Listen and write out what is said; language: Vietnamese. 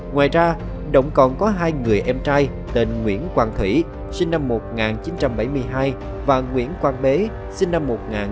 ngoài ra động còn có hai người em trai tên nguyễn quang thủy sinh năm một nghìn chín trăm bảy mươi hai và nguyễn quang bế sinh năm một nghìn chín trăm tám mươi